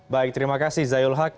baik terima kasih zayul haq